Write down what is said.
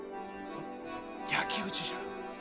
焼き打ちじゃ。